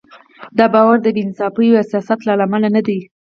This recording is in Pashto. دا باور د بې انصافۍ او حسادت له امله نه دی.